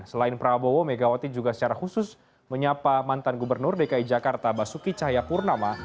selain prabowo megawati juga secara khusus menyapa mantan gubernur dki jakarta basuki cahayapurnama